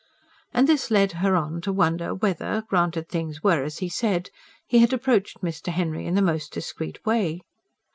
And this led her on to wonder whether, granted things were as he said, he had approached Mr. Henry in the most discreet way.